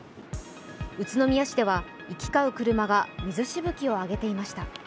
宇都宮市では行き交う車が水しぶきを上げていました。